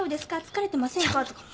「疲れてませんか？」とか。